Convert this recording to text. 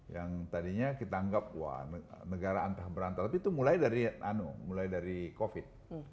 yang tadinya kita anggap negara antah berantah tapi itu mulai dari covid